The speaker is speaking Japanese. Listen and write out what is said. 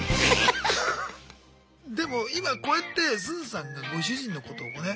でも今こうやってスズさんがご主人のことをね